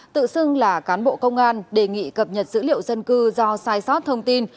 tự xưng là cán bộ công an đề nghị cập nhật dữ liệu dân cư do sai sót thông tin